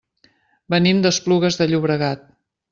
Venim d'Esplugues de Llobregat.